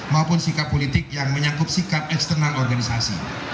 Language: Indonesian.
maupun sikap politik yang menyangkut sikap eksternal organisasi